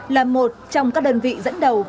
là một trong các đơn vị dẫn đầu